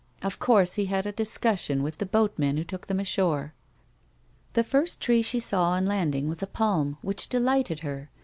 Of coarse he had a discussion with the boatman who took them ashore. The first tree she saw on landing was a palm, which delighted her.